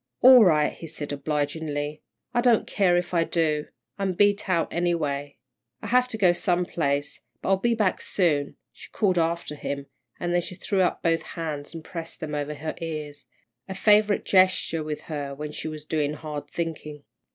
"All right," he said, obligingly. "I don't care if I do. I'm beat out, anyway." "I have to go some place, but I'll be back soon," she called after him, then she threw up both hands and pressed them over her ears, a favourite gesture with her when she was doing hard thinking.